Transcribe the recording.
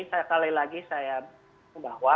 saya sekali lagi saya membawa